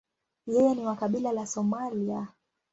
Yeye ni wa kabila la Somalia.